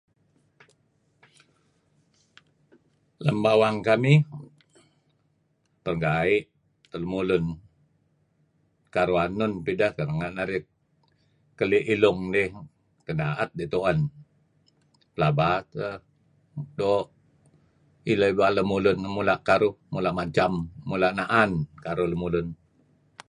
Lem bawang kamih, perenggai' teh lemulun. Karuhh enun pideh keh asal narih keli' ilung dih, kan da'et idih tu'en, pelaba teh doo' ileh ibal lemulun pelaba mula' karuh, mula' macam, mula' na'an karuh lemulun.